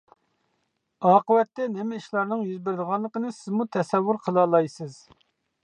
ئاقىۋەتتە نېمە ئىشلارنىڭ يۈز بېرىدىغانلىقىنى سىزمۇ تەسەۋۋۇر قىلالايسىز.